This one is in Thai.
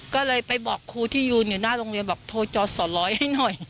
ก็เลยไปบอกครูที่ยืนอยู่หน้าโรงเรียนบอกโทรจอสอร้อยให้หน่อย